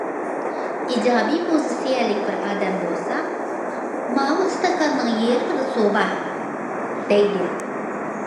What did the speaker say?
ئىجابىي پوزىتسىيەلىك بىر ئادەم بولسا« ماۋۇ ئىستاكاننىڭ يېرىمىدا سۇ بار»، دەيدۇ.